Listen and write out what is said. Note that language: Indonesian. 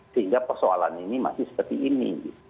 sehingga persoalan ini masih seperti ini